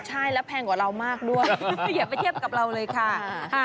ใช่แล้วแพงกว่าเรามากด้วยอย่าไปเทียบกับเราเลยค่ะ